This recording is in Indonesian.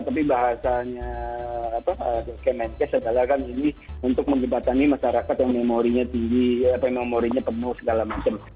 tapi bahasanya kmnk adalah kan ini untuk menyebatani masyarakat yang memorinya penuh segala macam